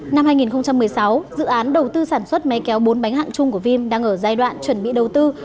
năm hai nghìn một mươi sáu dự án đầu tư sản xuất máy kéo bốn bánh hạng chung của vim đang ở giai đoạn chuẩn bị đầu tư